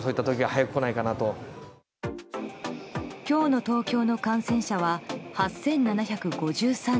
今日の東京の感染者は８７５３人。